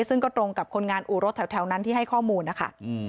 ซึ่งก็ตรงกับคนงานอู่รถแถวนั้นที่ให้ข้อมูลนะคะ